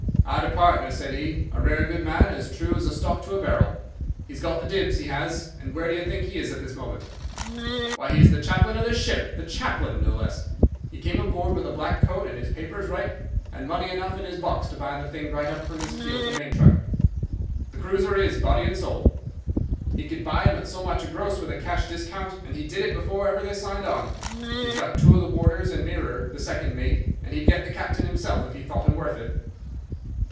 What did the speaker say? "'"I'd a partner," said he, "a rare good man, as true as a stock to a barrel. He's got the dibbs, he has, and where do you think he is at this moment? Why, he's the chaplain of this ship—the chaplain, no less! He came aboard with a black coat, and his papers right, and money enough in his box to buy the thing right up from keel to main truck. The crew are his, body and soul. He could buy 'em at so much a gross with a cash discount, and he did it before ever they signed on. He's got two of the warders and Mercer, the second mate, and he'd get the captain himself, if he thought him worth it."